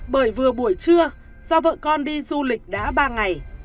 bởi vừa buổi trưa do vợ con đi du lịch đã ba ngày